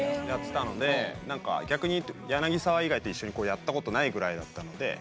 やってたのでなんか逆に柳沢以外と一緒にやったことないぐらいだったので。